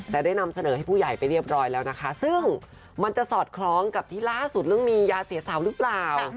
แต่ได้นำเสนอให้ผู้ใหญ่ไปเรียบร้อยแล้วนะคะซึ่งมันจะสอดคล้องกับที่ล่าสุดเรื่องมียาเสียสาวหรือเปล่า